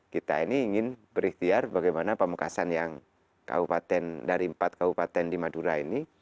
kita ini ingin berikhtiar bagaimana pamekasan yang kabupaten dari empat kabupaten di madura ini